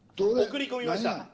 送り込みました。